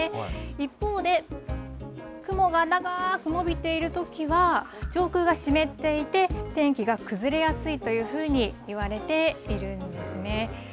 一方で、雲が長くのびているときは、上空が湿っていて、天気が崩れやすいというふうにいわれているんですね。